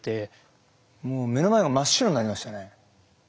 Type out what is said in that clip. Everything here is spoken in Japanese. もう目の前が真っ白になりましたね。